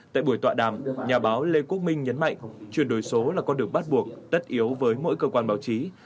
tại buổi tọa đàm nhà báo lê quốc minh nhấn mạnh chuyển đổi số là con đường bắt buộc tất yếu với mỗi cơ quan báo chí